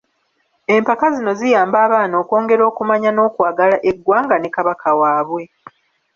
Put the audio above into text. Empaka zino ziyamba abaana okwongera okumanya n'okwagala eggwanga ne Kabaka waabwe.